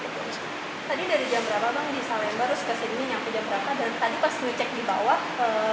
dan tadi pas ngecek di bawah bagaimana posisi